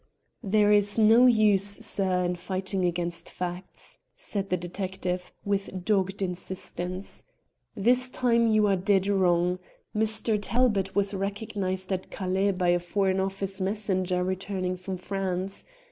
"There is no use, sir, in fighting against facts," said the detective, with dogged insistence. "This time you are dead wrong. Mr. Talbot was recognized at Calais by a Foreign Office messenger returning from France.